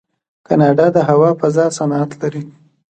کاناډا د هوا فضا صنعت لري.